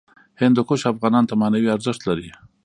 هندوکش افغانانو ته معنوي ارزښت لري.